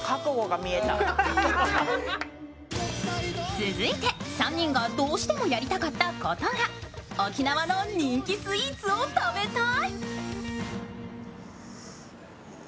続いて、３人がどうしてもやりたかったことが沖縄の人気スイーツを食べたい。